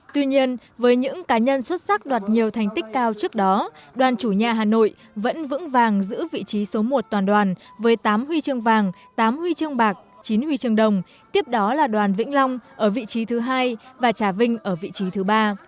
tuy nhiên với những cá nhân xuất sắc đạt nhiều thành tích cao trước đó đoàn chủ nhà hà nội vẫn vững vàng giữ vị trí số một toàn đoàn với tám huy chương vàng tám huy chương bạc chín huy chương đồng tiếp đó là đoàn vĩnh long ở vị trí thứ hai và trà vinh ở vị trí thứ ba